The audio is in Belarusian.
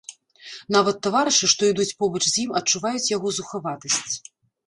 Нават таварышы, што ідуць побач з ім, адчуваюць яго зухаватасць.